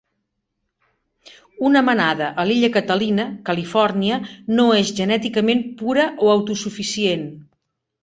Una manada a l'illa Catalina, Califòrnia, no és genèticament pura o autosuficient.